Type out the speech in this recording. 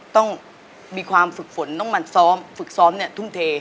ต้องมีความฝึกฝนต้องมันซ้อมฝึกซ้อมเนี่ยทุ่มเท